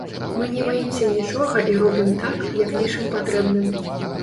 Мы не баімся нічога і робім так, як лічым патрэбным.